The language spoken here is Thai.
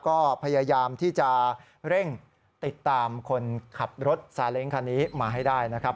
ก็พยายามที่จะเร่งติดตามคนขับรถซาเล้งคันนี้มาให้ได้นะครับ